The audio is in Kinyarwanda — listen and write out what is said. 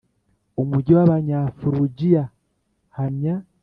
Umugi w abanyafurugiya hamya